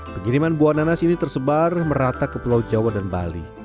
pengiriman buah nanas ini tersebar merata ke pulau jawa dan bali